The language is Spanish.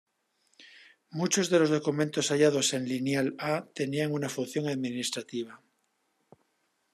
Muchos de los documentos hallados en lineal A tenían una función administrativa.